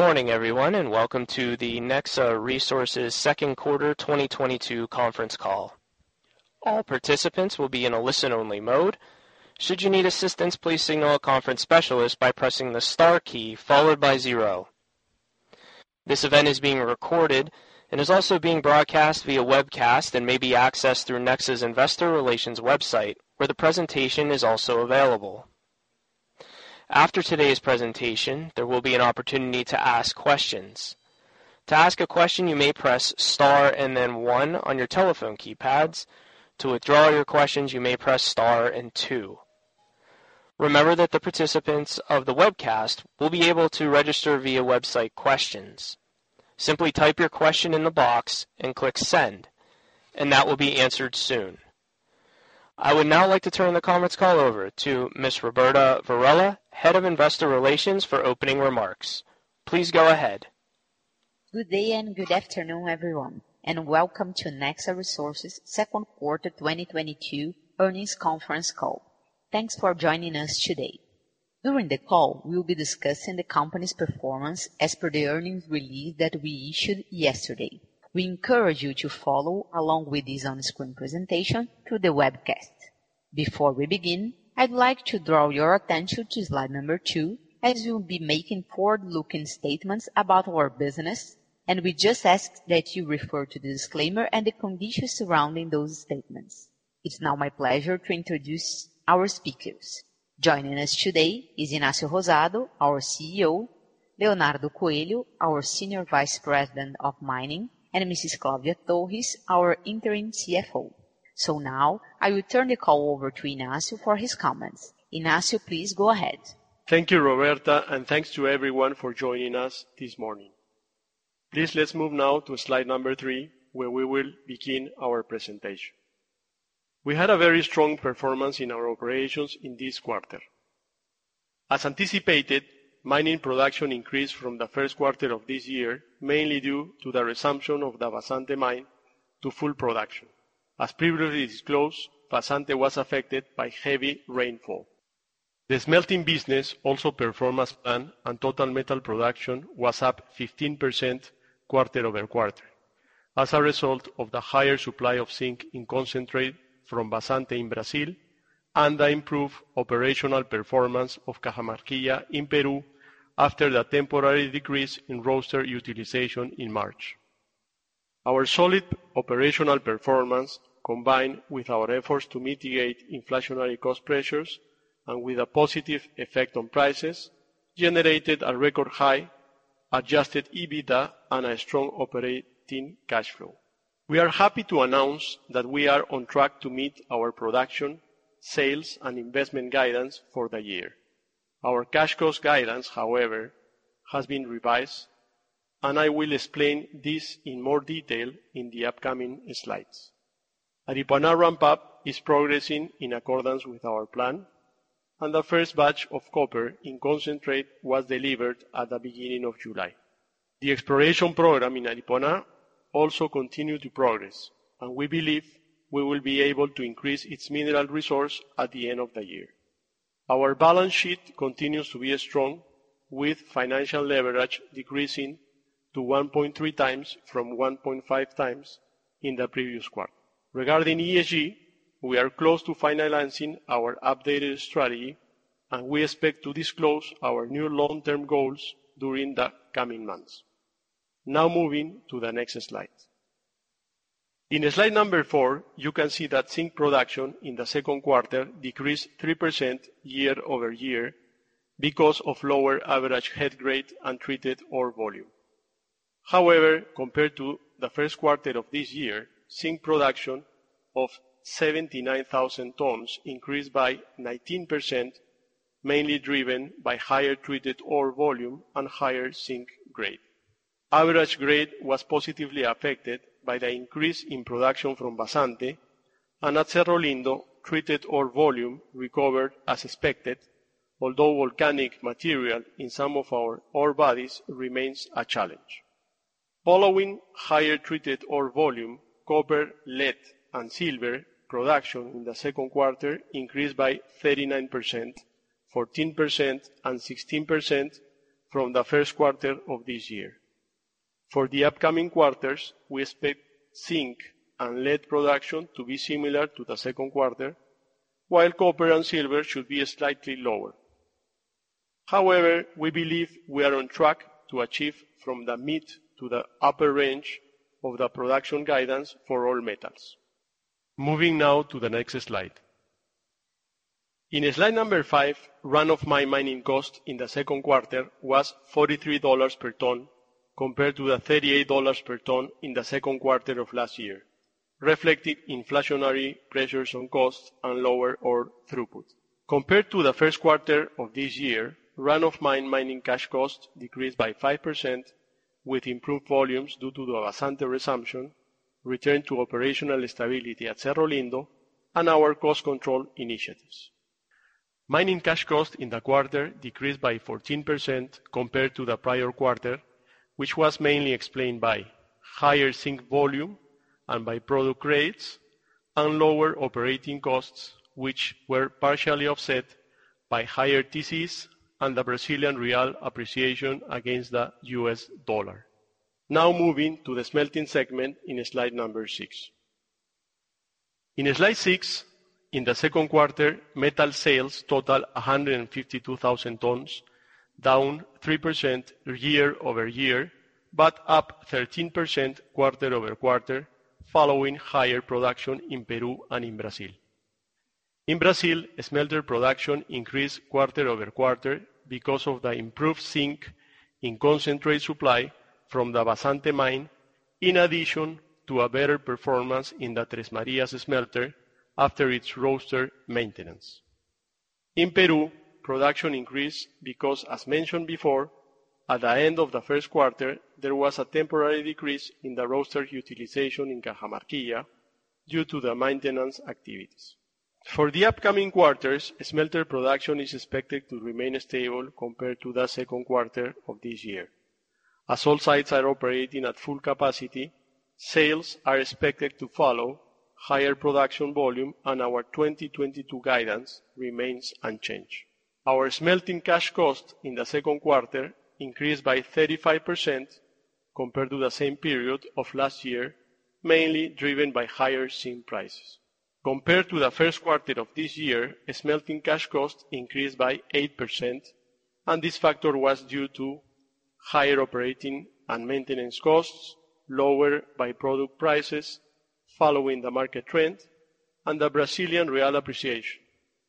Good morning everyone, and welcome to the Nexa Resources Second Quarter 2022 Conference Call. All participants will be in a listen-only mode. Should you need assistance, please signal a conference specialist by pressing the star key followed by zero. This event is being recorded and is also being broadcast via webcast, and may be accessed through Nexa's Investor Relations website, where the presentation is also available. After today's presentation, there will be an opportunity to ask questions. To ask a question, you may press star and then one on your telephone keypads. To withdraw your questions, you may press star and two. Remember that the participants of the webcast will be able to register via website questions. Simply type your question in the box and click Send, and that will be answered soon. I would now like to turn the conference call over to Ms. Roberta Varella, Head of Investor Relations, for opening remarks. Please go ahead. Good day and good afternoon, everyone, and welcome to Nexa Resources second quarter 2022 earnings conference call. Thanks for joining us today. During the call, we'll be discussing the company's performance as per the earnings release that we issued yesterday. We encourage you to follow along with this on-screen presentation through the webcast. Before we begin, I'd like to draw your attention to slide two, as we'll be making forward-looking statements about our business, and we just ask that you refer to the disclaimer and the conditions surrounding those statements. It's now my pleasure to introduce our speakers. Joining us today is Ignacio Rosado, our CEO, Leonardo Coelho, our Senior Vice President of Mining, and Mrs. Claudia Torres, our Interim CFO. Now I will turn the call over to Ignacio for his comments. Ignacio, please go ahead. Thank you, Roberta, and thanks to everyone for joining us this morning. Please, let's move now to slide three, where we will begin our presentation. We had a very strong performance in our operations in this quarter. As anticipated, mining production increased from the first quarter of this year, mainly due to the resumption of the Vazante mine to full production. As previously disclosed, Vazante was affected by heavy rainfall. The smelting business also performed as planned, and total metal production was up 15% quarter-over-quarter as a result of the higher supply of zinc in concentrate from Vazante in Brazil and the improved operational performance of Cajamarquilla in Peru after the temporary decrease in roaster utilization in March. Our solid operational performance, combined with our efforts to mitigate inflationary cost pressures and with a positive effect on prices, generated a record high adjusted EBITDA and a strong operating cash flow. We are happy to announce that we are on track to meet our production, sales, and investment guidance for the year. Our cash cost guidance, however, has been revised, and I will explain this in more detail in the upcoming slides. Aripuanã ramp-up is progressing in accordance with our plan, and the first batch of copper in concentrate was delivered at the beginning of July. The exploration program in Aripuanã also continued to progress, and we believe we will be able to increase its mineral resource at the end of the year. Our balance sheet continues to be strong, with financial leverage decreasing to 1.3x from 1.5x in the previous quarter. Regarding ESG, we are close to finalizing our updated strategy, and we expect to disclose our new long-term goals during the coming months. Now moving to the next slide. In slide four, you can see that zinc production in the second quarter decreased 3% year-over-year because of lower average head grade and treated ore volume. However, compared to the first quarter of this year, zinc production of 79,000 tons increased by 19%, mainly driven by higher treated ore volume and higher zinc grade. Average grade was positively affected by the increase in production from Vazante, and at Cerro Lindo, treated ore volume recovered as expected, although volcanic material in some of our ore bodies remains a challenge. Following higher treated ore volume, copper, lead, and silver production in the second quarter increased by 39%, 14%, and 16% from the first quarter of this year. For the upcoming quarters, we expect zinc and lead production to be similar to the second quarter, while copper and silver should be slightly lower. However, we believe we are on track to achieve from the mid to the upper range of the production guidance for all metals. Moving now to the next slide. In slide five, run-of-mine mining cost in the second quarter was $43 per ton compared to the $38 per ton in the second quarter of last year, reflecting inflationary pressures on costs and lower ore throughput. Compared to the first quarter of this year, run-of-mine mining cash cost decreased by 5% with improved volumes due to the Vazante resumption, return to operational stability at Cerro Lindo, and our cost control initiatives. Mining cash cost in the quarter decreased by 14% compared to the prior quarter, which was mainly explained by higher zinc volume and by-product grades and lower operating costs, which were partially offset by higher TCs and the Brazilian real appreciation against the U.S. dollar. Now moving to the smelting segment in slide number six. In slide six, in the second quarter, metal sales total 152,000 tons, down 3% year-over-year, but up 13% quarter-over-quarter following higher production in Peru and in Brazil. In Brazil, smelter production increased quarter-over-quarter because of the improved zinc in concentrate supply from the Vazante Mine, in addition to a better performance in the Três Marias smelter after its roaster maintenance. In Peru, production increased because, as mentioned before, at the end of the first quarter, there was a temporary decrease in the roaster utilization in Cajamarquilla due to the maintenance activities. For the upcoming quarters, smelter production is expected to remain stable compared to the second quarter of this year. As all sites are operating at full capacity, sales are expected to follow higher production volume, and our 2022 guidance remains unchanged. Our smelting cash cost in the second quarter increased by 35% compared to the same period of last year, mainly driven by higher zinc prices. Compared to the first quarter of this year, smelting cash cost increased by 8%, and this factor was due to higher operating and maintenance costs, lower by-product prices following the market trend, and the Brazilian real appreciation.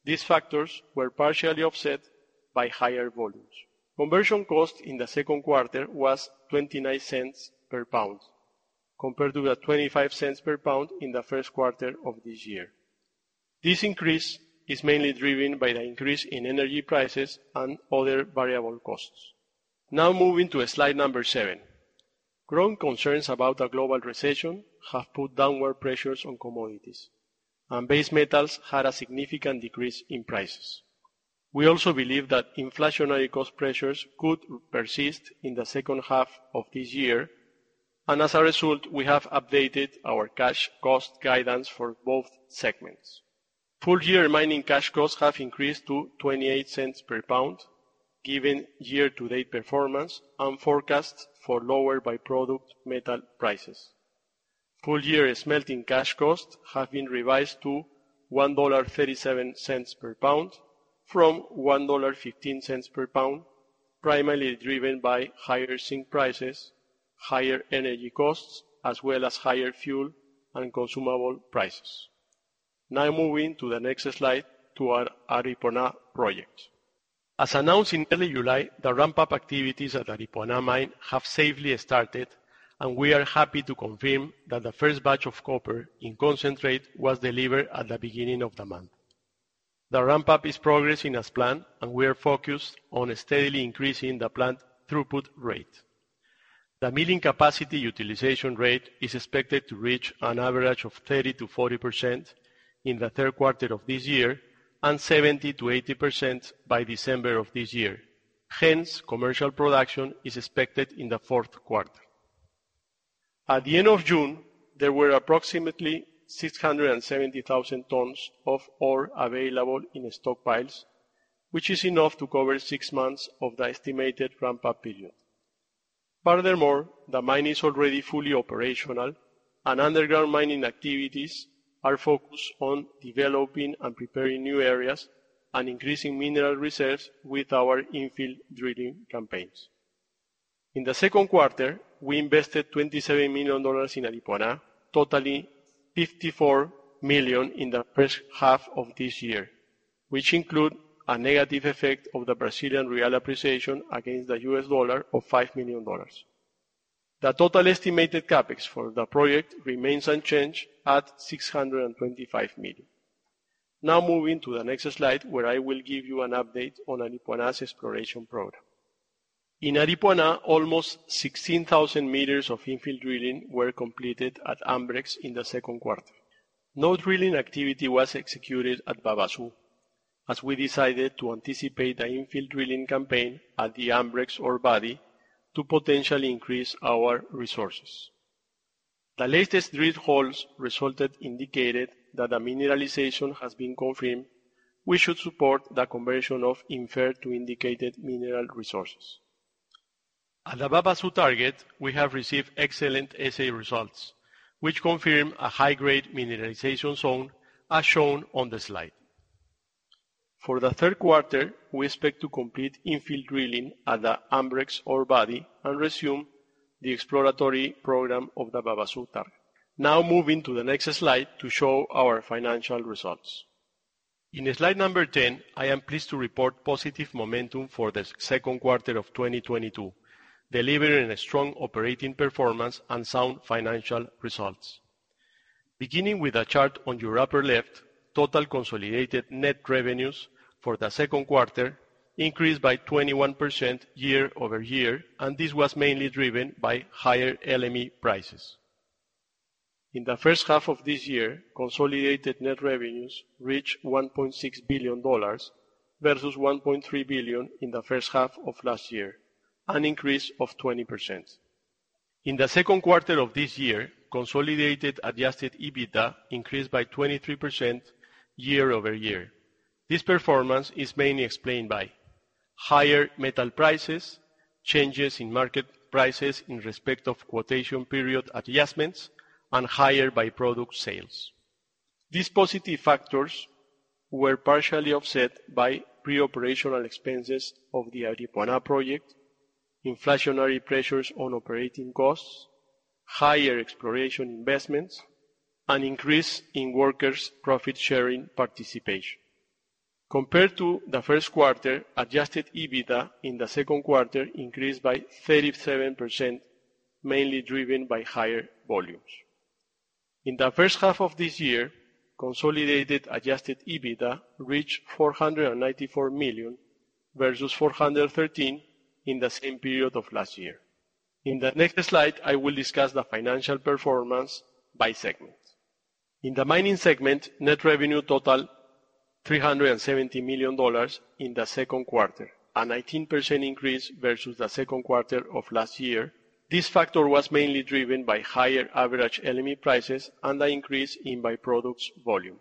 These factors were partially offset by higher volumes. Conversion cost in the second quarter was $0.29 per pound, compared to the $0.25 per pound in the first quarter of this year. This increase is mainly driven by the increase in energy prices and other variable costs. Now moving to slide seven. Growing concerns about a global recession have put downward pressures on commodities, and base metals had a significant decrease in prices. We also believe that inflationary cost pressures could persist in the second half of this year, and as a result, we have updated our cash cost guidance for both segments. Full year mining cash costs have increased to $0.28 per pound, given year-to-date performance and forecasts for lower by-product metal prices. Full year smelting cash costs have been revised to $1.37 per pound from $1.15 per pound, primarily driven by higher zinc prices, higher energy costs, as well as higher fuel and consumable prices. Now moving to the next slide to our Aripuanã projects. As announced in early July, the ramp-up activities at Aripuanã Mine have safely started, and we are happy to confirm that the first batch of copper in concentrate was delivered at the beginning of the month. The ramp-up is progressing as planned, and we are focused on steadily increasing the plant throughput rate. The milling capacity utilization rate is expected to reach an average of 30%-40% in the third quarter of this year and 70%-80% by December of this year. Hence, commercial production is expected in the fourth quarter. At the end of June, there were approximately 670,000 tons of ore available in the stockpiles, which is enough to cover six months of the estimated ramp-up period. Furthermore, the mine is already fully operational, and underground mining activities are focused on developing and preparing new areas and increasing mineral reserves with our infill drilling campaigns. In the second quarter, we invested $27 million in Aripuanã, totaling $54 million in the first half of this year, which include a negative effect of the Brazilian real appreciation against the U.S. dollar of $5 million. The total estimated CapEx for the project remains unchanged at $625 million. Now moving to the next slide, where I will give you an update on Aripuanã's exploration program. In Aripuanã, almost 16,000 m of infill drilling were completed at Ambrex in the second quarter. No drilling activity was executed at Babaçu, as we decided to anticipate the infill drilling campaign at the Ambrex ore body to potentially increase our resources. The latest drill holes results indicated that the mineralization has been confirmed, which should support the conversion of inferred to indicated mineral resources. At the Babaçu target, we have received excellent assay results, which confirm a high-grade mineralization zone, as shown on the slide. For the third quarter, we expect to complete infill drilling at the Ambrex ore body and resume the exploratory program of the Babaçu target. Now moving to the next slide to show our financial results. In slide 10, I am pleased to report positive momentum for the second quarter of 2022, delivering a strong operating performance and sound financial results. Beginning with the chart on your upper left, total consolidated net revenues for the second quarter increased by 21% year-over-year, and this was mainly driven by higher LME prices. In the first half of this year, consolidated net revenues reached $1.6 billion versus $1.3 billion in the first half of last year, an increase of 20%. In the second quarter of this year, consolidated adjusted EBITDA increased by 23% year-over-year. This performance is mainly explained by higher metal prices, changes in market prices in respect of quotation period adjustments, and higher by-product sales. These positive factors were partially offset by pre-operational expenses of the Aripuanã project, inflationary pressures on operating costs, higher exploration investments, and increase in workers' profit-sharing participation. Compared to the first quarter, adjusted EBITDA in the second quarter increased by 37%, mainly driven by higher volumes. In the first half of this year, consolidated adjusted EBITDA reached $494 million, versus $413 million in the same period of last year. In the next slide, I will discuss the financial performance by segment. In the mining segment, net revenue total $370 million in the second quarter, a 19% increase versus the second quarter of last year. This factor was mainly driven by higher average LME prices and an increase in by-products volume.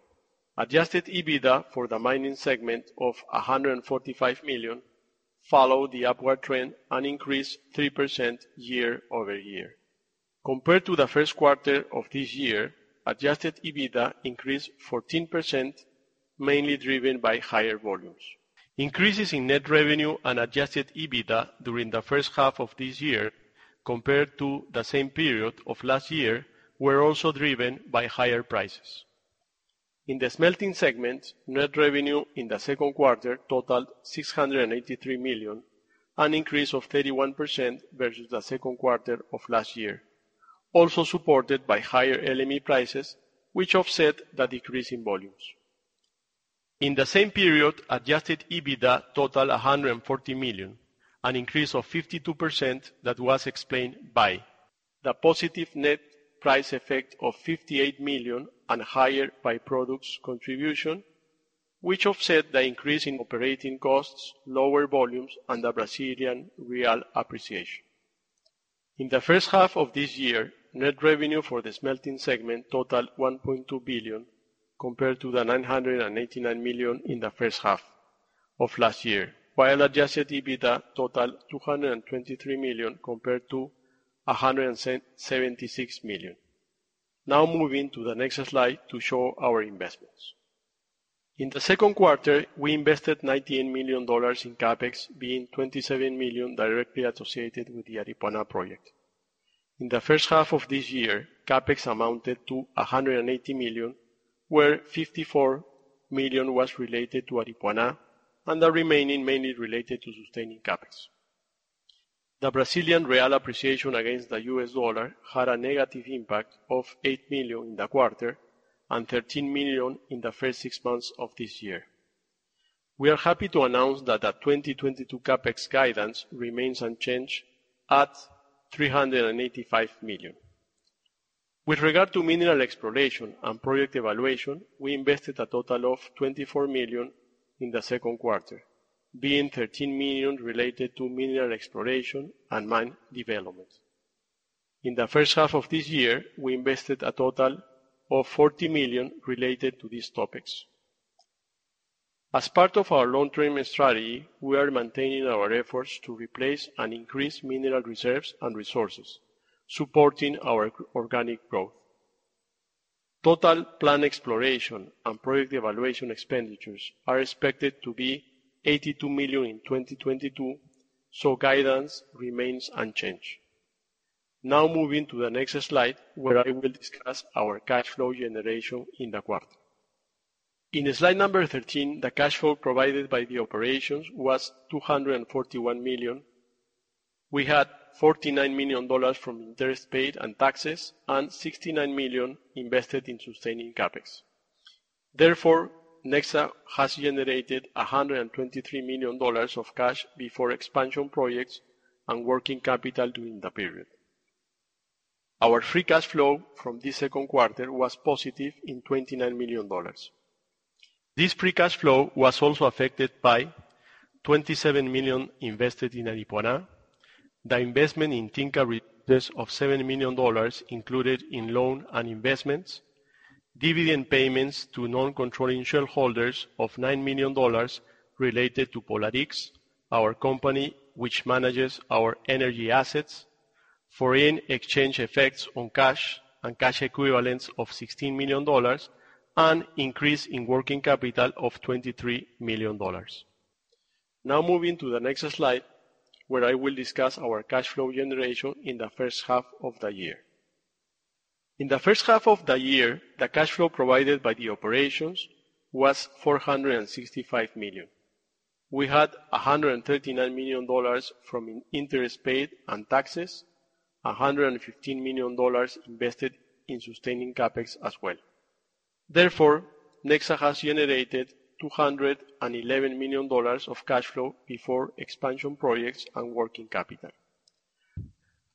Adjusted EBITDA for the mining segment of $145 million followed the upward trend and increased 3% year-over-year. Compared to the first quarter of this year, adjusted EBITDA increased 14%, mainly driven by higher volumes. Increases in net revenue and adjusted EBITDA during the first half of this year compared to the same period of last year were also driven by higher prices. In the smelting segment, net revenue in the second quarter totaled $683 million, an increase of 31% versus the second quarter of last year, also supported by higher LME prices, which offset the decrease in volumes. In the same period, adjusted EBITDA totaled $140 million, an increase of 52% that was explained by the positive net price effect of $58 million and higher by-products contribution, which offset the increase in operating costs, lower volumes, and the Brazilian real appreciation. In the first half of this year, net revenue for the smelting segment totaled $1.2 billion, compared to the $989 million in the first half of last year. While adjusted EBITDA totaled $223 million, compared to $177 million. Now moving to the next slide to show our investments. In the second quarter, we invested $98 million in CapEx, being $27 million directly associated with the Aripuanã project. In the first half of this year, CapEx amounted to $180 million, where $54 million was related to Aripuanã and the remaining mainly related to sustaining CapEx. The Brazilian real appreciation against the U.S. dollar had a negative impact of $8 million in the quarter and $13 million in the first six months of this year. We are happy to announce that our 2022 CapEx guidance remains unchanged at $385 million. With regard to mineral exploration and project evaluation, we invested a total of $24 million in the second quarter, being $13 million related to mineral exploration and mine development. In the first half of this year, we invested a total of $40 million related to these topics. As part of our long-term strategy, we are maintaining our efforts to replace and increase mineral reserves and resources, supporting our organic growth. Total planned exploration and project evaluation expenditures are expected to be $82 million in 2022, guidance remains unchanged. Now moving to the next slide, where I will discuss our cash flow generation in the quarter. In slide 13, the cash flow provided by the operations was $241 million. We had $49 million from interest paid and taxes and $69 million invested in sustaining CapEx. Therefore, Nexa has generated $123 million of cash before expansion projects and working capital during the period. Our free cash flow from this second quarter was positive $29 million. This free cash flow was also affected by $27 million invested in Aripuanã. The investment in Tinka Resources of $7 million included in loan and investments, dividend payments to non-controlling shareholders of $9 million related to Pollarix, our company which manages our energy assets, foreign exchange effects on cash and cash equivalents of $16 million, and increase in working capital of $23 million. Now moving to the next slide, where I will discuss our cash flow generation in the first half of the year. In the first half of the year, the cash flow provided by the operations was $465 million. We had $139 million from interest paid and taxes, $115 million invested in sustaining CapEx as well. Therefore, Nexa has generated $211 million of cash flow before expansion projects and working capital.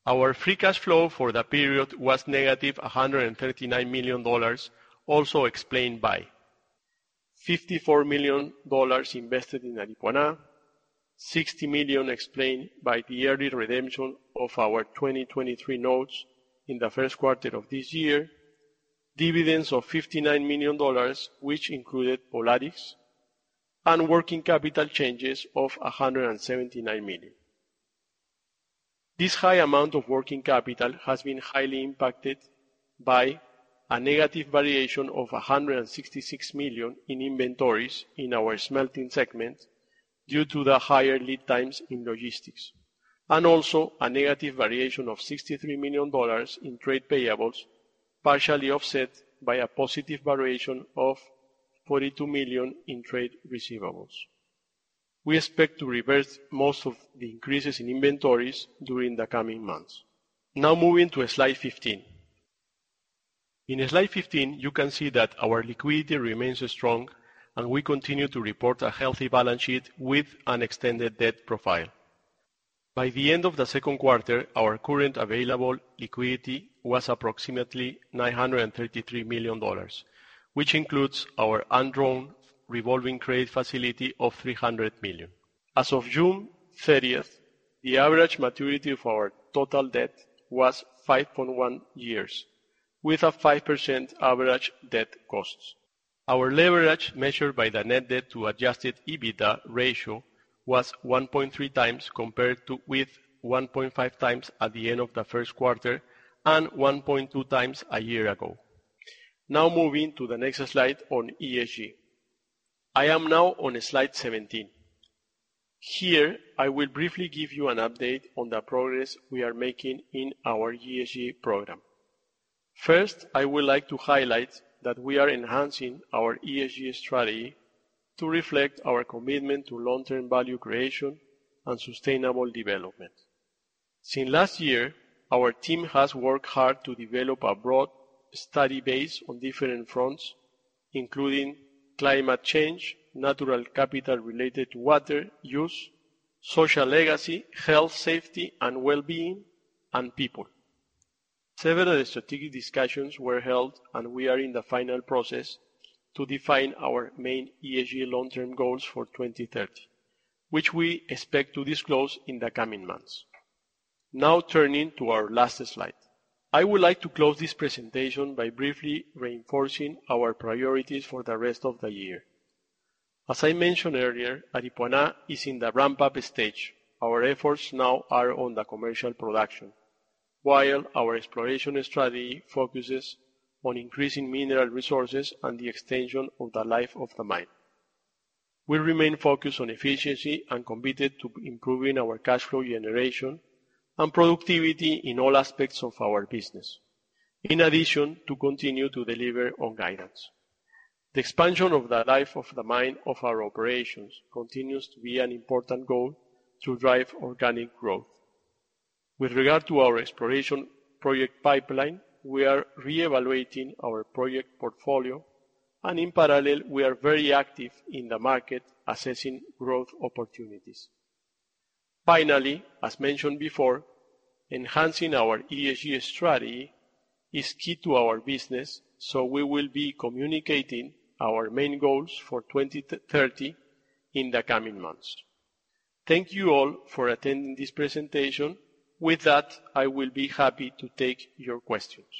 Our free cash flow for the period was -$139 million, also explained by $54 million invested in Aripuanã, $60 million explained by the early redemption of our 2023 notes in the first quarter of this year, dividends of $59 million, which included Pollarix, and working capital changes of $179 million. This high amount of working capital has been highly impacted by a negative variation of $166 million in inventories in our smelting segment due to the higher lead times in logistics, and also a negative variation of $63 million in trade payables, partially offset by a positive variation of $42 million in trade receivables. We expect to reverse most of the increases in inventories during the coming months. Now moving to slide 15. In slide 15, you can see that our liquidity remains strong, and we continue to report a healthy balance sheet with an extended debt profile. By the end of the second quarter, our current available liquidity was approximately $933 million, which includes our undrawn revolving credit facility of $300 million. As of June 30th, the average maturity of our total debt was 5.1 years with a 5% average debt costs. Our leverage measured by the net debt to adjusted EBITDA ratio was 1.3x compared with 1.5x at the end of the first quarter and 1.2x a year ago. Now moving to the next slide on ESG. I am now on slide 17. Here, I will briefly give you an update on the progress we are making in our ESG program. First, I would like to highlight that we are enhancing our ESG strategy to reflect our commitment to long-term value creation and sustainable development. Since last year, our team has worked hard to develop a broad study base on different fronts, including climate change, natural capital related to water use, social legacy, health, safety, and well-being, and people. Several strategic discussions were held, and we are in the final process to define our main ESG long-term goals for 2030, which we expect to disclose in the coming months. Now turning to our last slide. I would like to close this presentation by briefly reinforcing our priorities for the rest of the year. As I mentioned earlier, Aripuanã is in the ramp-up stage. Our efforts now are on the commercial production, while our exploration strategy focuses on increasing mineral resources and the extension of the life of the mine. We remain focused on efficiency and committed to improving our cash flow generation and productivity in all aspects of our business. In addition, to continue to deliver on guidance. The expansion of the life of the mine of our operations continues to be an important goal to drive organic growth. With regard to our exploration project pipeline, we are reevaluating our project portfolio, and in parallel, we are very active in the market assessing growth opportunities. Finally, as mentioned before, enhancing our ESG strategy is key to our business, so we will be communicating our main goals for 2030 in the coming months. Thank you all for attending this presentation. With that, I will be happy to take your questions.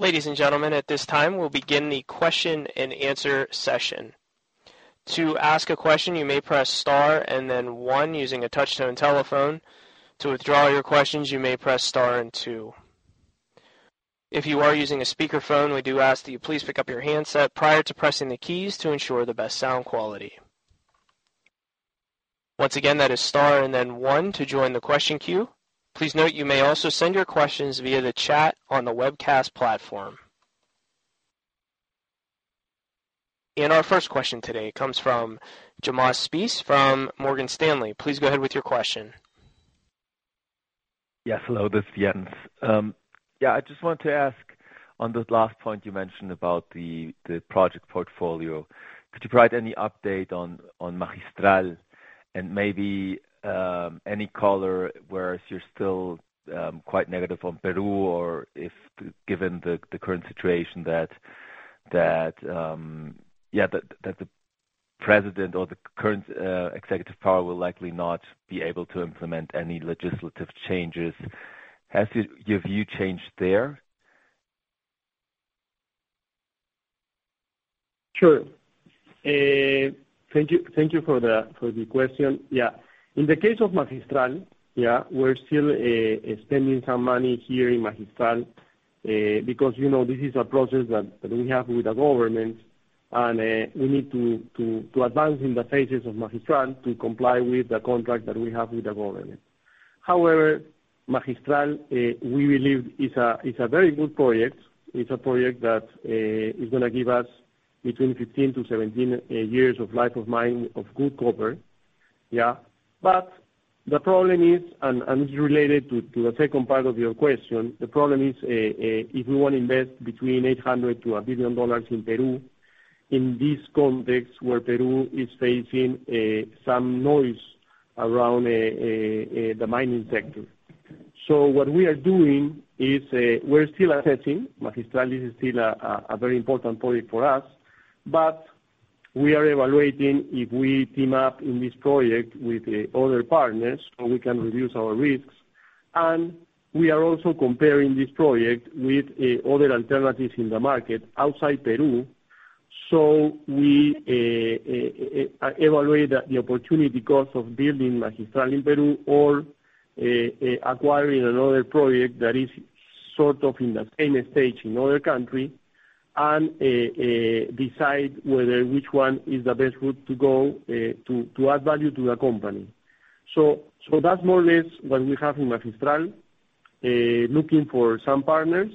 Ladies and gentlemen, at this time, we'll begin the question-and-answer session. To ask a question, you may press star and then one using a touch-tone telephone. To withdraw your questions, you may press star and two. If you are using a speakerphone, we do ask that you please pick up your handset prior to pressing the keys to ensure the best sound quality. Once again, that is star and then one to join the question queue. Please note, you may also send your questions via the chat on the webcast platform. Our first question today comes from Spiess from Morgan Stanley. Please go ahead with your question. Yes. Hello, this is Jens. I just want to ask on the last point you mentioned about the project portfolio. Could you provide any update on Magistral? And maybe any color whether you're still quite negative on Peru, or if given the current situation that the president or the current executive power will likely not be able to implement any legislative changes. Has your view changed there? Sure. Thank you for the question. Yeah. In the case of Magistral, yeah, we're still spending some money here in Magistral, because, you know, this is a process that we have with the government and we need to advance in the phases of Magistral to comply with the contract that we have with the government. However, Magistral, we believe is a very good project. It's a project that is going to give us between 15-17 years of life of mine of good copper. The problem is, and this is related to the second part of your question, the problem is, if we want to invest between $800 million to $1 billion in Peru in this context where Peru is facing some noise around the mining sector. What we are doing is, we're still assessing. Magistral is still a very important project for us, but we are evaluating if we team up in this project with other partners so we can reduce our risks. We are also comparing this project with other alternatives in the market outside Peru. We evaluate the opportunity cost of building Magistral in Peru or acquiring another project that is sort of in the same stage in other country and decide whether which one is the best route to go to add value to the company. That's more or less what we have in Magistral, looking for some partners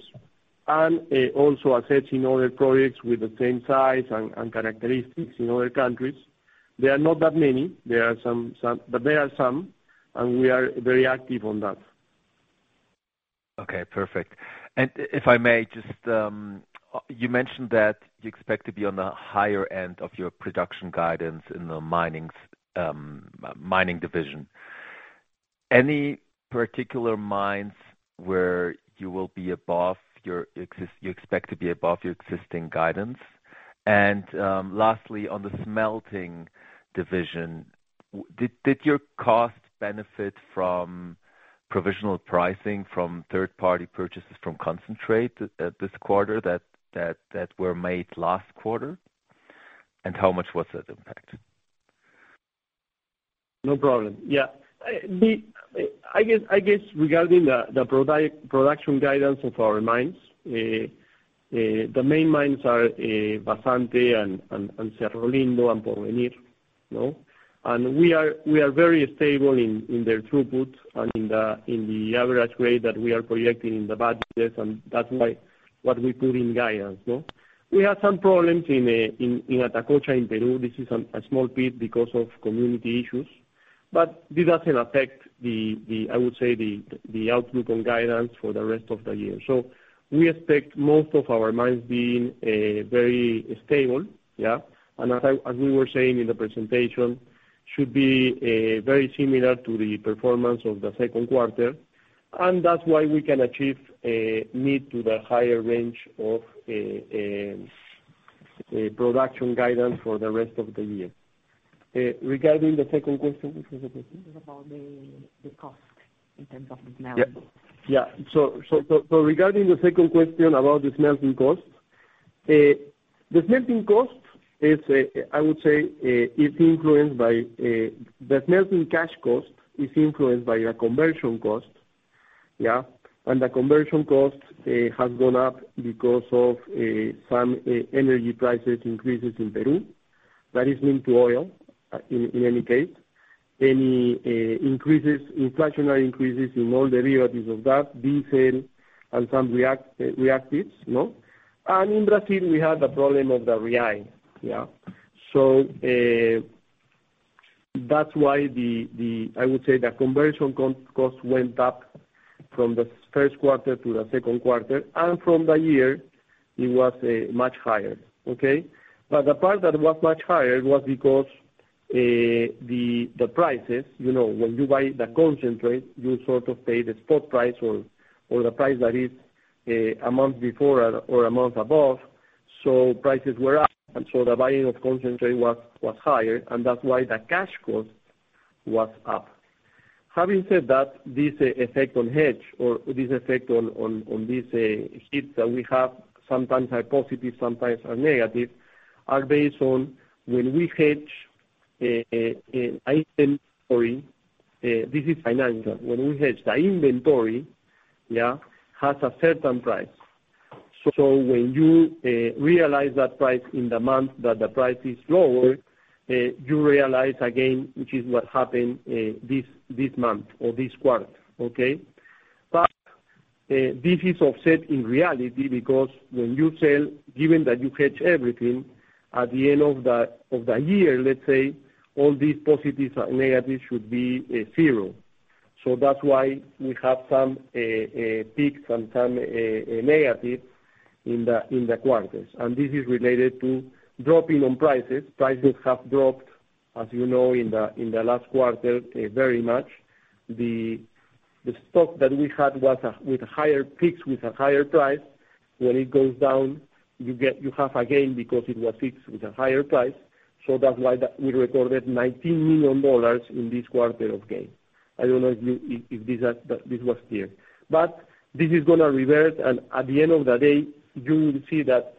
and also assessing other projects with the same size and characteristics in other countries. There are not that many. There are some. There are some, and we are very active on that. Okay, perfect. If I may just, you mentioned that you expect to be on the higher end of your production guidance in the mining division. Any particular mines where you expect to be above your existing guidance? Lastly, on the smelting division, did your cost benefit from provisional pricing from third-party purchases from concentrate at this quarter that were made last quarter? How much was that impact? No problem. Yeah. I guess regarding the production guidance of our mines, the main mines are Vazante and Cerro Lindo and El Porvenir, you know? We are very stable in their throughput and in the average grade that we are projecting in the budgets, and that's why what we put in guidance, no? We have some problems in Atacocha in Peru. This is a small pit because of community issues, but this doesn't affect the outlook on guidance for the rest of the year. We expect most of our mines being very stable. As we were saying in the presentation, should be very similar to the performance of the second quarter. That's why we can achieve a mid to the higher range of a production guidance for the rest of the year. Regarding the second question, what was the question? It was about the cost in terms of the smelting. Regarding the second question about the smelting costs, the smelting cash cost is influenced by the conversion cost, yeah. The conversion cost has gone up because of some energy price increases in Peru. That is linked to oil, in any case. Any inflationary increases in all derivatives of that, diesel and some reactives, you know? In Brazil, we had the problem of the real, yeah. That's why the conversion cost went up from the first quarter to the second quarter. From the year, it was much higher, okay? The part that was much higher was because the prices, you know, when you buy the concentrate, you sort of pay the spot price or the price that is a month before or a month above. So prices were up, and so the buying of concentrate was higher, and that's why the cash cost was up. Having said that, this effect on hedge or this effect on this sheets that we have sometimes are positive, sometimes are negative are based on when we hedge. Sorry, this is financial. When we hedge the inventory, yeah, has a certain price. So when you realize that price in the month that the price is lower, you realize again, which is what happened this month or this quarter, okay? This is offset in reality because when you sell, given that you hedge everything, at the end of the year, let's say, all these positives and negatives should be zero. That's why we have some peaks and some negatives in the quarters. This is related to dropping in prices. Prices have dropped, as you know, in the last quarter very much. The stock that we had was with a higher price. When it goes down, you have a gain because it was fixed with a higher price. That's why we recorded $19 million in this quarter of gain. I don't know if this was clear. This is going to revert, and at the end of the day, you will see that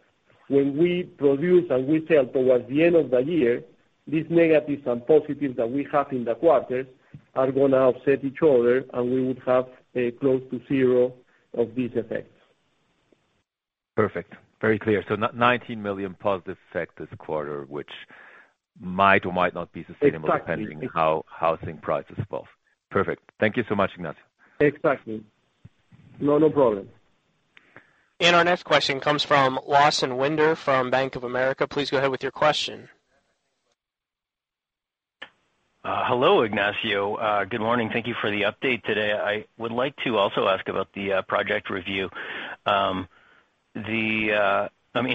when we produce and we sell towards the end of the year, these negatives and positives that we have in the quarters are going to offset each other, and we would have close to zero of these effects. Perfect. Very clear. $19 million positive effect this quarter, which might or might not be sustainable. Exactly. depending how zinc prices fall. Perfect. Thank you so much, Ignacio. Exactly. No, no problem. Our next question comes from Lawson Winder from Bank of America. Please go ahead with your question. Hello, Ignacio. Good morning. Thank you for the update today. I would like to also ask about the project review. I mean,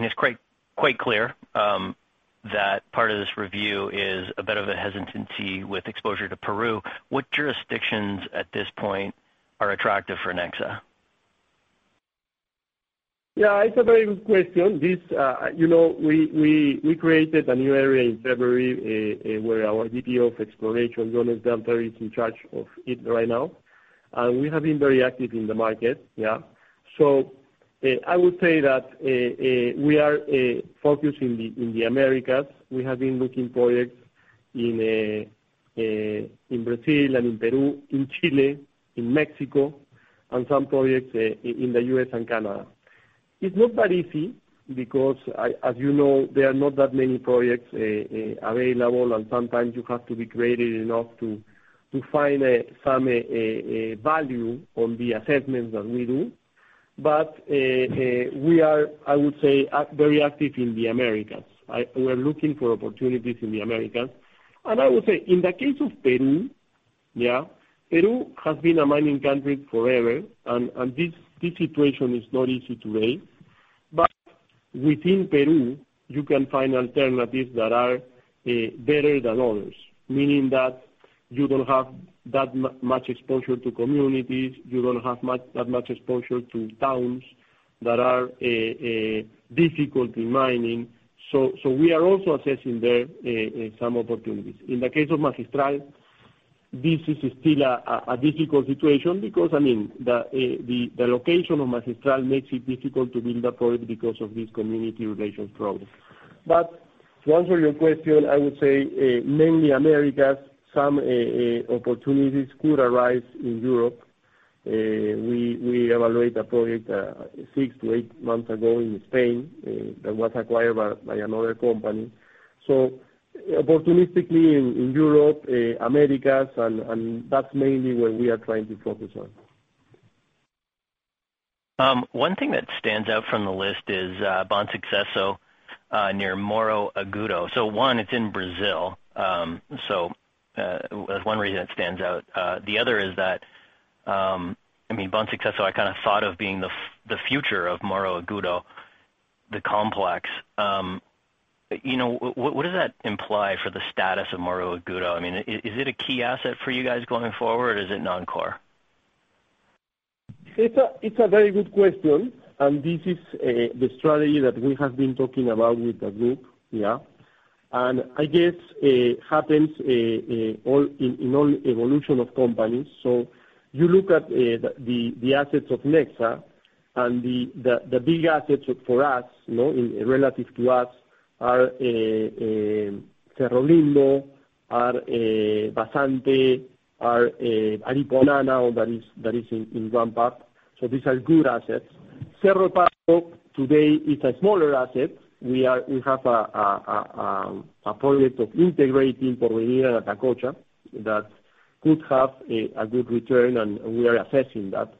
it's quite clear that part of this review is a bit of a hesitancy with exposure to Peru. What jurisdictions at this point are attractive for Nexa? Yeah, it's a very good question. This, you know, we created a new area in February, where our VP of Exploration, Jones Aparecido Belther, is in charge of it right now. We have been very active in the market, yeah. I would say that we are focused in the Americas. We have been looking at projects in Brazil and in Peru, in Chile, in Mexico, and some projects in the U.S. and Canada. It's not that easy because, as you know, there are not that many projects available, and sometimes you have to be creative enough to find some value in the assessments that we do. We are, I would say, very active in the Americas. We're looking for opportunities in the Americas. I would say, in the case of Peru, yeah, Peru has been a mining country forever. This situation is not easy to raise. Within Peru, you can find alternatives that are better than others. Meaning that you don't have that much exposure to communities, you don't have that much exposure to towns that are difficult in mining. We are also assessing there some opportunities. In the case of Magistral, this is still a difficult situation because, I mean, the location of Magistral makes it difficult to build because of this community relations problem. To answer your question, I would say, mainly Americas. Some opportunities could arise in Europe. We evaluate a project six to eight months ago in Spain that was acquired by another company. Opportunistically in Europe, Americas, and that's mainly where we are trying to focus on. One thing that stands out from the list is Bom Sucesso near Morro Agudo. One, it's in Brazil. That's one reason it stands out. The other is that I mean Bom Sucesso I kinda thought of being the future of Morro Agudo, the complex. You know, what does that imply for the status of Morro Agudo? I mean, is it a key asset for you guys going forward, or is it non-core? It's a very good question. This is the strategy that we have been talking about with the group. I guess it happens in all evolution of companies. You look at the assets of Nexa and the big assets for us, you know, in relative to us are Cerro Lindo, Vazante, Aripuanã now that is in one part. These are good assets. Cerro Pasco today is a smaller asset. We have a project of integrating El Porvenir and Atacocha that could have a good return, and we are assessing that.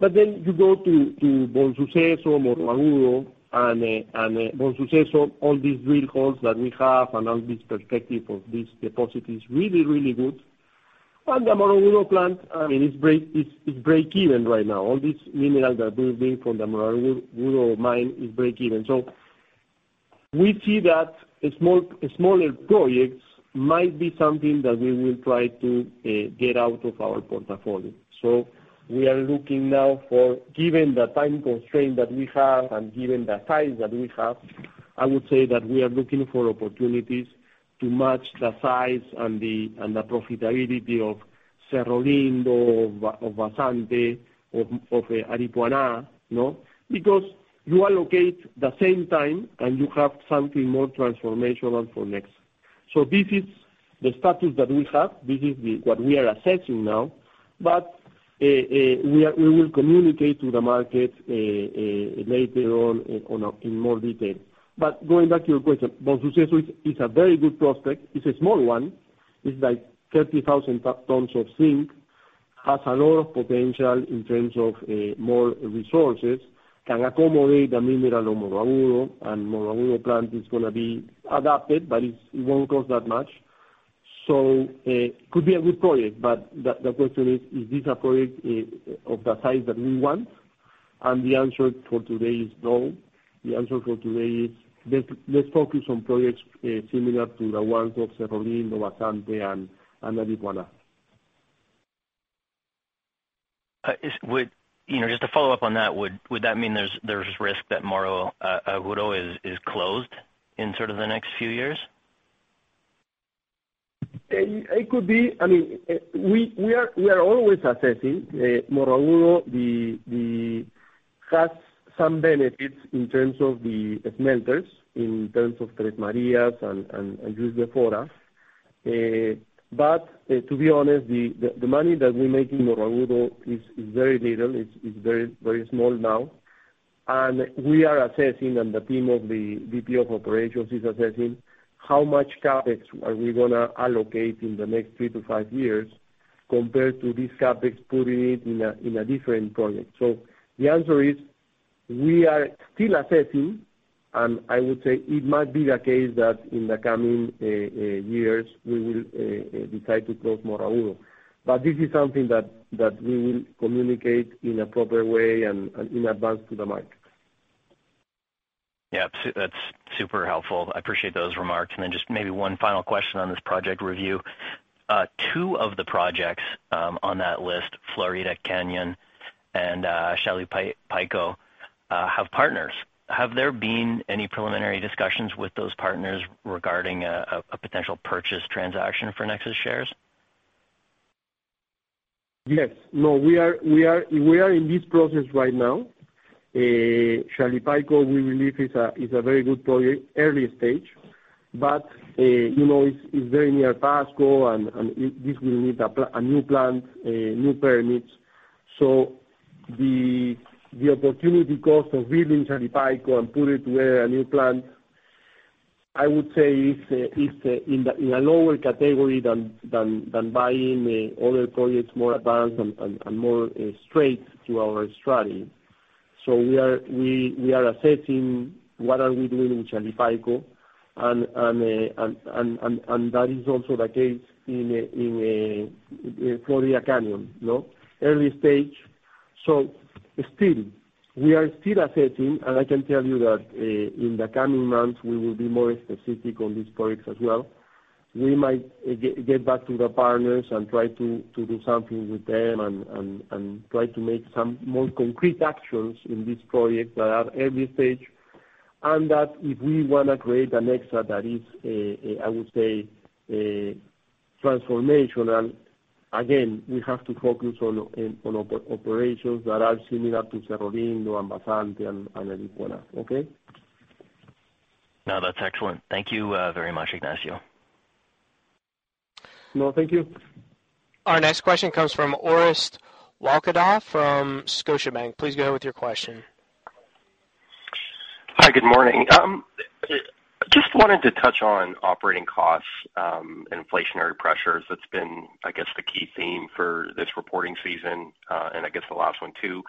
You go to Bom Sucesso, Morro Agudo, all these drill holes that we have and all this perspective of this deposit is really, really good. The Morro Agudo plant, I mean, it's break even right now. All these minerals that we've been from the Morro Agudo mine is break even. We see that smaller projects might be something that we will try to get out of our portfolio. We are looking now for, given the time constraint that we have and given the size that we have, I would say that we are looking for opportunities to match the size and the profitability of Cerro Lindo, of Vazante, of Aripuanã, you know. You allocate the same time, and you have something more transformational for Nexa. This is the status that we have. This is what we are assessing now. We will communicate to the market later on in more detail. Going back to your question, Bom Sucesso is a very good prospect. It's a small one. It's like 30,000 tons of zinc. Has a lot of potential in terms of more resources. Can accommodate the mineral of Morro Agudo, and Morro Agudo plant is going to be adapted, but it won't cost that much. Could be a good project. The question is this a project of the size that we want? The answer for today is no. The answer for today is let's focus on projects similar to the ones of Cerro Lindo, Vazante, and Aripuanã. You know, just to follow up on that, would that mean there's risk that Morro Agudo is closed in sort of the next few years? It could be. I mean, we are always assessing. Morro Agudo has some benefits in terms of the smelters, in terms of Três Marias and Juiz de Fora. But to be honest, the money that we make in Morro Agudo is very little. It's very small now, and we are assessing, and the team of the VP of Operations is assessing how much CapEx we are going to allocate in the next three to five years compared to this CapEx putting it in a different project. The answer is we are still assessing, and I would say it might be the case that in the coming years, we will decide to close Morro Agudo. This is something that we will communicate in a proper way and in advance to the market. Yeah. So that's super helpful. I appreciate those remarks. Then just maybe one final question on this project review. Two of the projects on that list, Florida Canyon and Shalipayco, have partners. Have there been any preliminary discussions with those partners regarding a potential purchase transaction for Nexa shares? Yes. No, we are in this process right now. Shalipayco, we believe is a very good project, early stage, but, you know, it's very near Pasco and it will need a new plant, new permits. The opportunity cost of building Shalipayco and put it where a new plant, I would say is in a lower category than buying other projects more advanced and more straight to our strategy. We are assessing what are we doing in Shalipayco and that is also the case in Florida Canyon, you know, early stage. Still, we are still assessing, and I can tell you that in the coming months, we will be more specific on these projects as well. We might get back to the partners and try to do something with them and try to make some more concrete actions in this project that are early stage, and that if we want to create a Nexa that is, I would say transformational, again, we have to focus on operations that are similar to Cerro Lindo and Vazante and Aripuanã, okay. No, that's excellent. Thank you very much, Ignacio. No, thank you. Our next question comes from Orest Wowkodaw from Scotiabank. Please go with your question. Hi, good morning. Just wanted to touch on operating costs, inflationary pressures. That's been, I guess, the key theme for this reporting season, and I guess the last one too.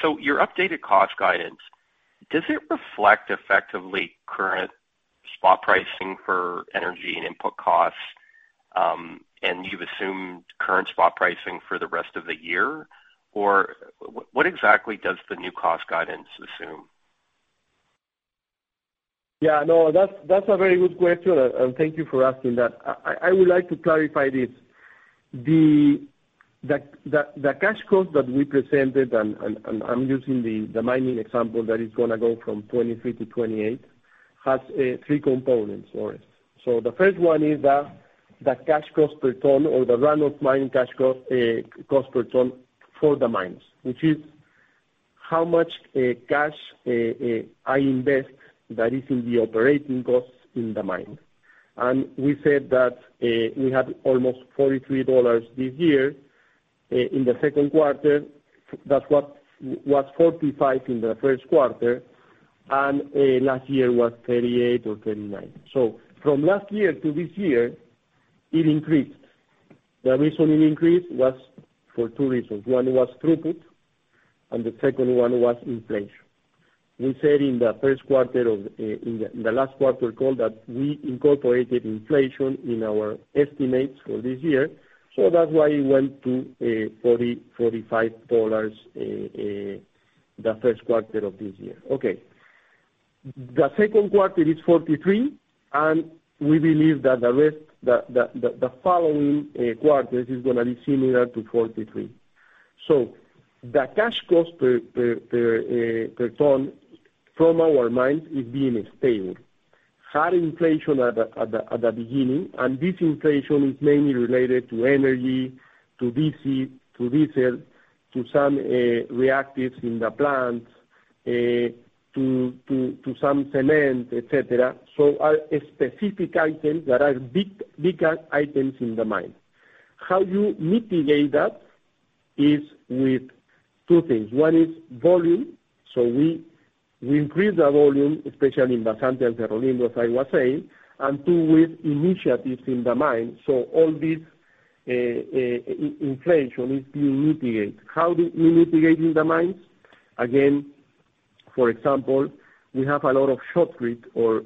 So your updated cost guidance, does it reflect effectively current spot pricing for energy and input costs, and you've assumed current spot pricing for the rest of the year? Or what exactly does the new cost guidance assume? Yeah, no, that's a very good question, and thank you for asking that. I would like to clarify this. The cash cost that we presented, and I'm using the mining example that is going to go from 23-28, has three components, Orest. The first one is that the cash cost per ton or the run-of-mine cash cost per ton for the mines, which is how much cash I invest that is in the operating costs in the mine. We said that we had almost $43 this year in the second quarter. That's what was $45 in the first quarter, and last year was $38 or $39. From last year to this year, it increased. The reason it increased was for two reasons. One was throughput, and the second one was inflation. We said in the last quarter call that we incorporated inflation in our estimates for this year. That's why it went to $45 the first quarter of this year. Okay. The second quarter is $43, and we believe that the following quarters is going to be similar to $43. The cash cost per ton from our mines is being stable. Had inflation at the beginning, and this inflation is mainly related to energy, to diesel, to some reactors in the plants, to some cement, et cetera. Our specific items that are bigger items in the mine. How you mitigate that is with two things. One is volume. We increase the volume, especially in Vazante and Cerro Lindo, as I was saying, and two, with initiatives in the mine. All these, inflation is being mitigated. How do we mitigate in the mines? Again, for example, we have a lot of shotcrete or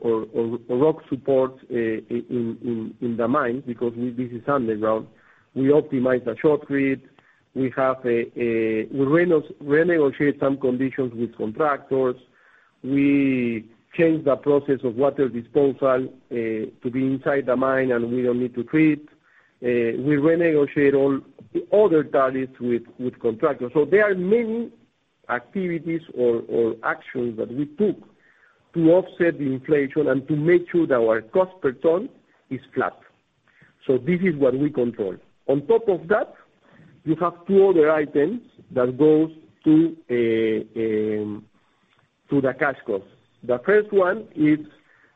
rock support, in the mine because this is underground. We optimize the shotcrete. We renegotiate some conditions with contractors. We change the process of water disposal to be inside the mine, and we don't need to treat. We renegotiate all other tariffs with contractors. There are many activities or actions that we took to offset the inflation and to make sure that our cost per ton is flat. This is what we control. On top of that, you have two other items that goes to the cash costs. The first one is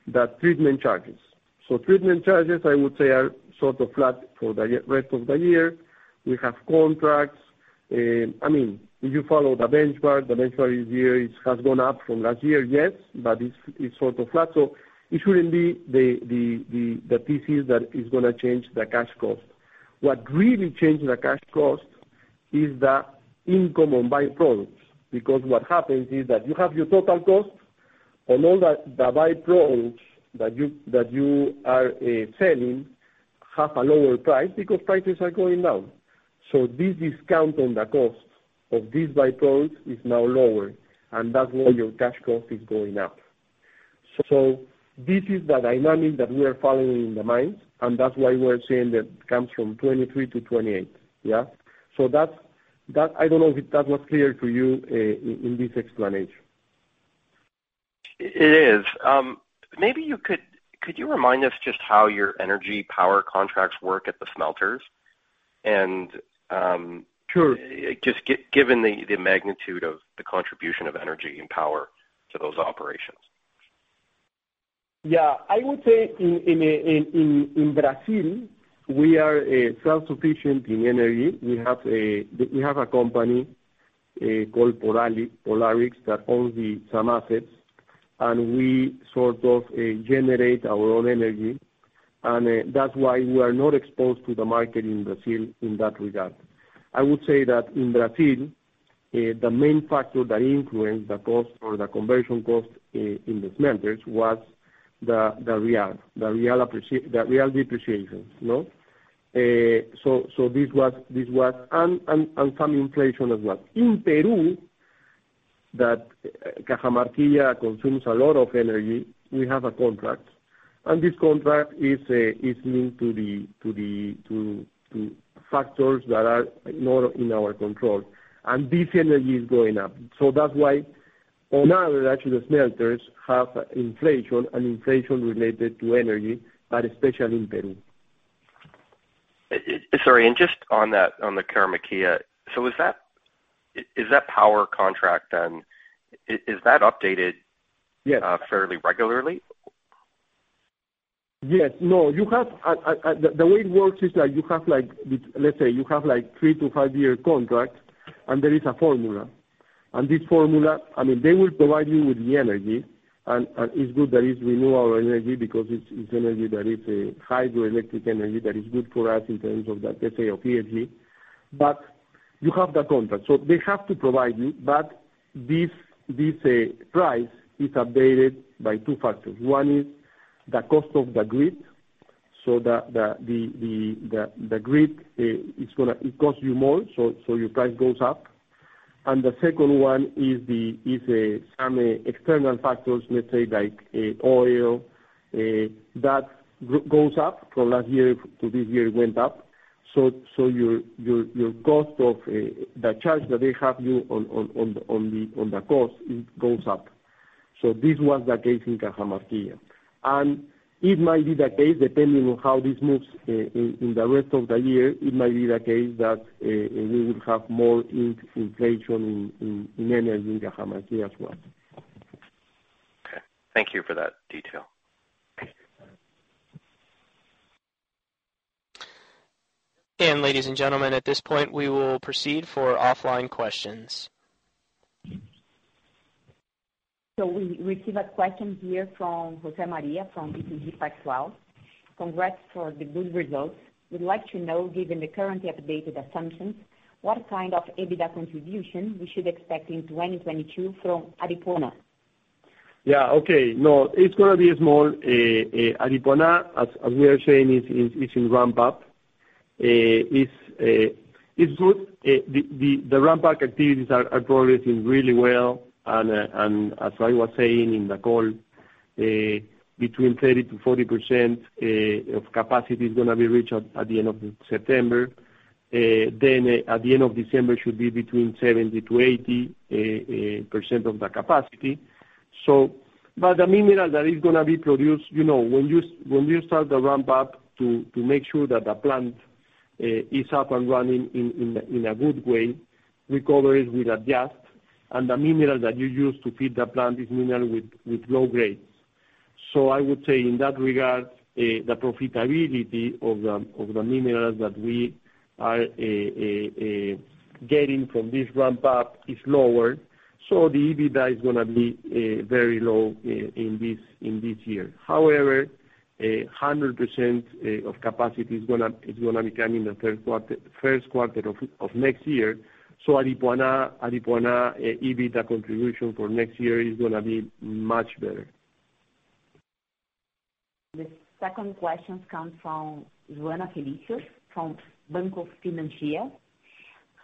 the treatment charges. Treatment charges I would say are sort of flat for the rest of the year. We have contracts. I mean, if you follow the benchmark, the benchmark this year is, has gone up from last year, yes, but it's sort of flat, so it shouldn't be the pieces that is going to change the cash cost. What really changed the cash cost is the income on by-products, because what happens is that you have your total cost and all the by-products that you are selling have a lower price because prices are going down. This discount on the cost of these by-products is now lower and that's why your cash cost is going up. This is the dynamic that we are following in the mines, and that's why we are saying that it comes from 23-28. Yeah? That's that. I don't know if that was clear to you in this explanation. It is. Maybe you could remind us just how your energy power contracts work at the smelters? Sure. Just given the magnitude of the contribution of energy and power to those operations. Yeah. I would say in Brazil, we are self-sufficient in energy. We have a company called Pollarix that owns some assets, and we sort of generate our own energy. That's why we are not exposed to the market in Brazil in that regard. I would say that in Brazil, the main factor that influenced the cost or the conversion cost in the smelters was the real depreciation, you know? So this was, and some inflation as well. In Peru, Cajamarquilla consumes a lot of energy. We have a contract. This contract is linked to factors that are not in our control, and this energy is going up. That's why all now actually the smelters have inflation and inflation related to energy, but especially in Peru. Sorry, just on that, on the Cajamarquilla. Is that power contract then, is that updated? Yes. Fairly regularly? Yes. No. The way it works is that you have like a three- to five-year contract, and there is a formula. This formula, I mean, they will provide you with the energy, and it's good that it is renewable energy because it's energy that is a hydroelectric energy that is good for us in terms of, let's say, ESG. But you have the contract. They have to provide you, but this price is updated by two factors. One is the cost of the grid. The grid costs you more, so your price goes up. The second one is some external factors, let's say like oil that goes up. From last year to this year, it went up. Your cost of the charge that they have you on the cost, it goes up. This was the case in Cajamarquilla. It might be the case depending on how this moves in the rest of the year. It might be the case that we will have more inflation in energy in Cajamarquilla as well. Okay. Thank you for that detail. Okay. Ladies and gentlemen, at this point, we will proceed for offline questions. We receive a question here from José María from BTG Pactual. Congrats for the good results. We'd like to know, given the currently updated assumptions, what kind of EBITDA contribution we should expect in 2022 from Aripuanã? Yeah. Okay. No, it's going to be small. Aripuanã, as we are saying, is in ramp-up. It's good. The ramp-up activities are progressing really well. As I was saying in the call, between 30%-40% of capacity is going to be reached at the end of September. Then at the end of December should be between 70%-80% of the capacity. The mineral that is going to be produced, you know, when you start the ramp-up to make sure that the plant is up and running in a good way, recovery will adjust, and the mineral that you use to feed the plant is mineral with low grades. I would say in that regard, the profitability of the minerals that we are getting from this ramp-up is lower. The EBITDA is going to be very low in this year. However, 100% of capacity is going to be coming in the third quarter, first quarter of next year. Aripuanã EBITDA contribution for next year is going to be much better. The second question comes from Joana Felício from [Bradesco BBI]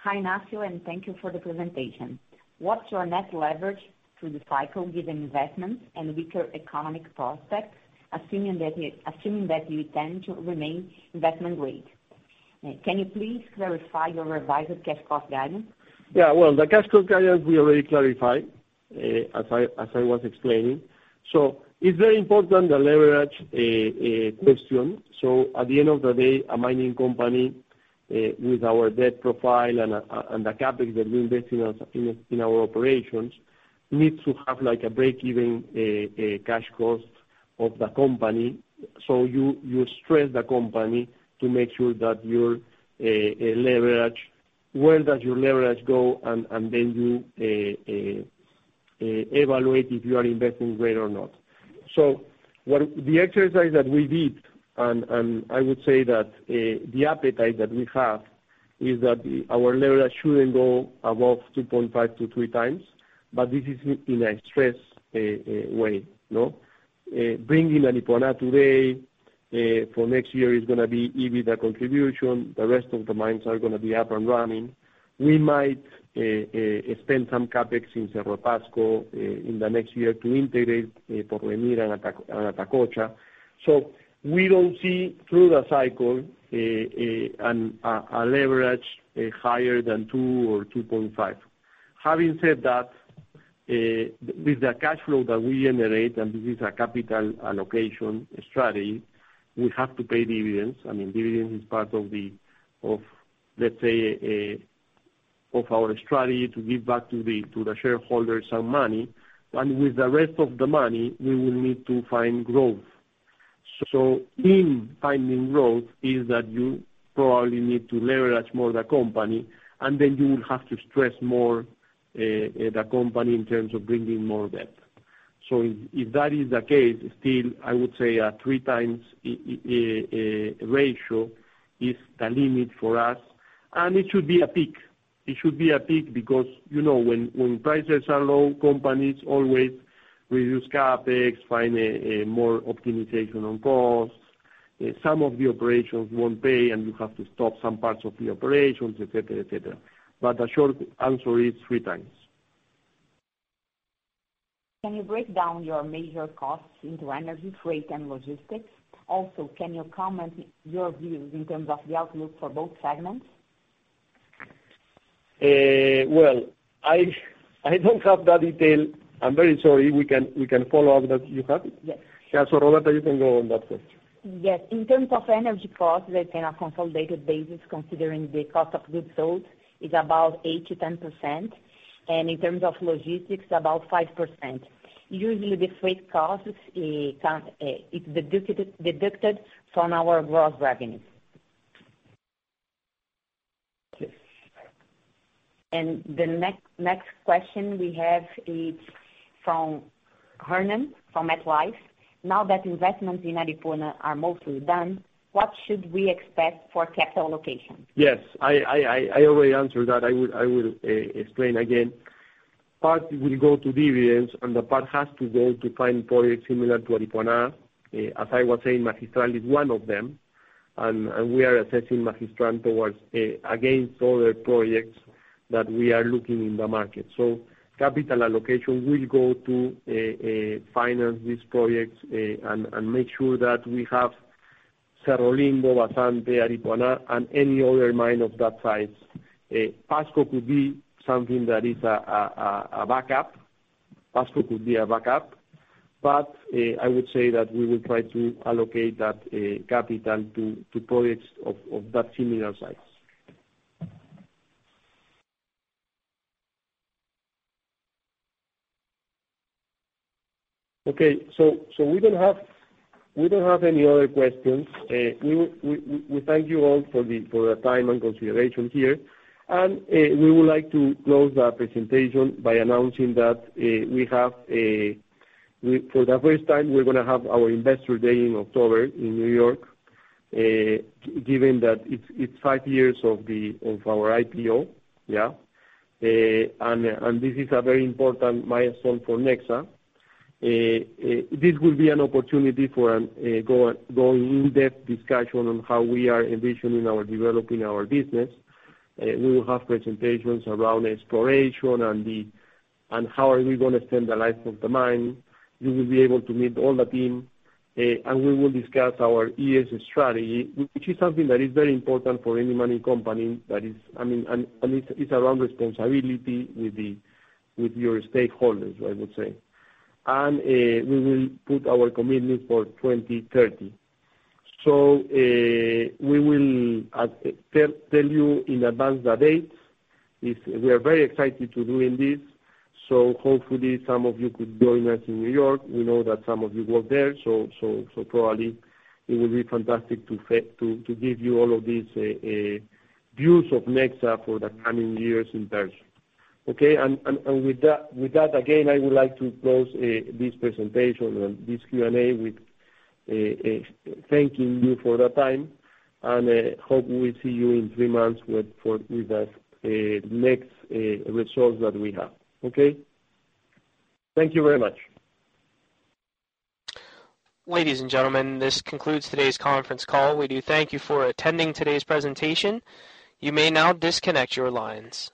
Hi, Ignacio, and thank you for the presentation. What's your net leverage through the cycle given investments and weaker economic prospects, assuming that you intend to remain investment grade? Can you please clarify your revised cash cost guidance? Yeah. Well, the cash cost guidance we already clarified, as I was explaining. It's very important, the leverage question. At the end of the day, a mining company with our debt profile and the CapEx that we invest in our operations needs to have like a break-even cash cost of the company. You stress the company to make sure that your leverage, where does your leverage go, and then you evaluate if you are investment grade or not. The exercise that we did and I would say that the appetite that we have is that our leverage shouldn't go above 2.5x-3x. This is in a stressed way, you know? Bringing in Aripuanã today, for next year is going to be EBITDA contribution. The rest of the mines are going to be up and running. We might spend some CapEx in Cerro Pasco, in the next year to integrate El Porvenir and Atacocha. We don't see through the cycle a leverage higher than 2x or 2.5x. Having said that, with the cash flow that we generate, and this is a capital allocation strategy, we have to pay dividends. I mean, dividends is part of the, of, let's say, of our strategy to give back to the shareholders some money. With the rest of the money, we will need to find growth. Funding growth is that you probably need to leverage more the company and then you would have to stress more the company in terms of bringing more debt. If that is the case, still, I would say a 3x ratio is the limit for us. It should be a peak, because you know when prices are low, companies always reduce CapEx, find a more optimization on costs. Some of the operations won't pay, and you have to stop some parts of the operations, et cetera. The short answer is 3x. Can you break down your major costs into energy, freight, and logistics? Also, can you comment your views in terms of the outlook for both segments? Well, I don't have that detail. I'm very sorry. We can follow up that. You have it? Yes. Yeah. Roberta, you can go on that question. Yes. In terms of energy costs, they're on a consolidated basis, considering the cost of goods sold is about 8%-10%. In terms of logistics, about 5%. Usually the freight costs, it's deducted from our gross revenues. Yes. The next question we have is from Hernán from MetLife. Now that investments in Aripuanã are mostly done, what should we expect for capital allocation? Yes, I already answered that. I will explain again. Part will go to dividends and the part has to go to find projects similar to Aripuanã. As I was saying, Magistral is one of them. We are assessing Magistral against other projects that we are looking in the market. Capital allocation will go to finance these projects and make sure that we have Cerro Lindo, Vazante, Aripuanã, and any other mine of that size. Pasco could be something that is a backup. Pasco could be a backup. I would say that we will try to allocate that capital to projects of that similar size. Okay. We don't have any other questions. We thank you all for the time and consideration here. We would like to close the presentation by announcing that for the first time, we're going to have our Investor Day in October in New York. Given that it's five years of our IPO, yeah. This is a very important milestone for Nexa. This will be an opportunity for an in-depth discussion on how we are envisioning or developing our business. We will have presentations around exploration and how we are going to extend the life of the mine. You will be able to meet all the team, and we will discuss our ESG strategy, which is something that is very important for any mining company. That is, I mean, it's around responsibility with your stakeholders, I would say. We will put our commitment for 2030. We will tell you in advance the date. We are very excited to doing this, so hopefully some of you could join us in New York. We know that some of you work there, so probably it will be fantastic to to give you all of these views of Nexa for the coming years in person. Okay. With that, again, I would like to close this presentation and this Q&A with thanking you for the time. Hope we see you in three months with the next results that we have. Okay. Thank you very much. Ladies and gentlemen, this concludes today's conference call. We do thank you for attending today's presentation. You may now disconnect your lines.